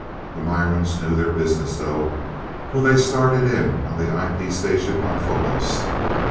The Mirans knew their business though, for they started in on the IP station on Phobos.